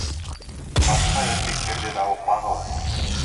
Башка эркектерди да укпагыла.